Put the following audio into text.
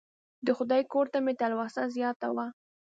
د خدای کور ته مې تلوسه زیاته وه.